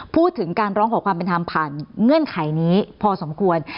พูดถึงการร้องขอความเป็นธรรมผ่านเงื่อนไขนี้พอสมควร